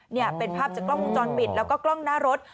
นี่เป็นภาพจากกล้องวงจรปิดแล้วก็กล้องหน้ารถ